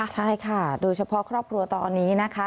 ใช่ค่ะโดยเฉพาะครอบครัวตอนนี้นะคะ